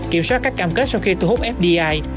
kiểm soát các cam kết sau khi thu hút fdi